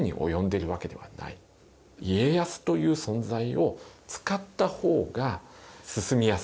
家康という存在を使った方が進みやすいと。